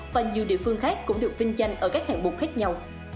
và nhiều địa phương khác cũng được vinh danh ở các hạng mục khác nhau